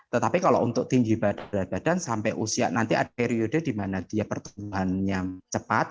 tetapi kalau untuk tinggi berat badan sampai usia nanti ada periode di mana dia pertumbuhan yang cepat